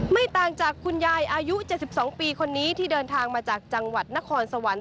ไม่ต่างจากคุณยายอายุ๗๒ปีคนนี้ที่เดินทางมาจากจังหวัดนครสวรรค์